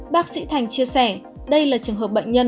bác sĩ thành chia sẻ đây là trường hợp bệnh nhân